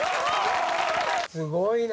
・すごいな。